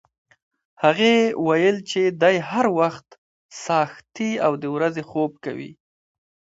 هغې ویل چې دی هر وخت څاښتي او د ورځې خوب کوي.